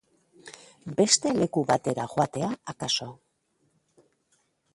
Beste leku batera joatea, akaso.